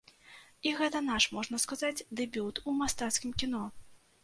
І гэта наш, можна сказаць, дэбют у мастацкім кіно.